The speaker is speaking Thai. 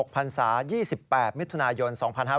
๖๖พันธาสาว๒๘มิถุนายน๒๕๖๑